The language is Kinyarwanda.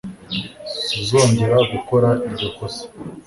Suzongera gukora iryo kosa.